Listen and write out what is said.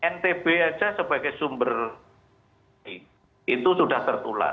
ntb saja sebagai sumber itu sudah tertular